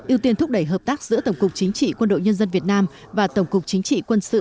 ưu tiên thúc đẩy hợp tác giữa tổng cục chính trị quân đội nhân dân việt nam và tổng cục chính trị quân sự